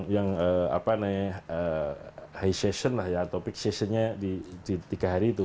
yang high session atau peak sessionnya di tiga hari itu